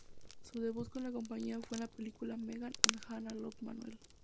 Su debut con la compañía fue en la película "Meggan and Hanna Love Manuel".